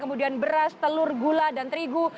kemudian beras telur gula dan terigu